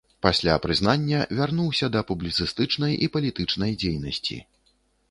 Пасля прызнання вярнуўся да публіцыстычнай і палітычнай дзейнасці.